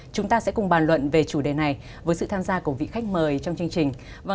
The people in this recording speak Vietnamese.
chúng ta sẽ cùng bàn luận về chủ đề này với sự tham gia của vị khách mời trong chương trình